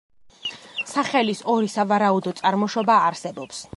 სახელის ორი სავარაუდო წარმოშობა არსებობს.